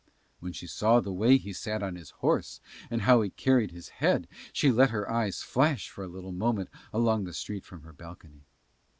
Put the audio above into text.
When she saw the way he sat his horse and how he carried his head she let her eyes flash for a little moment along the street from her balcony.